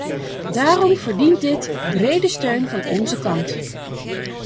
Daarom verdient dit brede steun van onze kant.